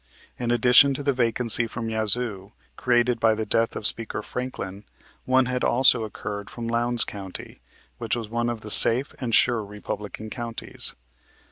In addition to the vacancy from Yazoo, created by the death of Speaker Franklin, one had also occurred from Lowndes County, which was one of the safe and sure Republican counties.